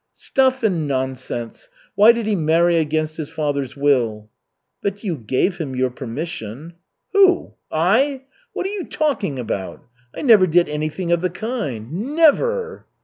"Stuff and nonsense! Why did he marry against his father's will?" "But you gave him your permission." "Who? I? What are you talking about? I never did anything of the kind. Nev v v er!"